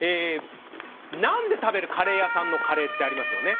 ナンで食べるカレー屋さんのカレーありますよね。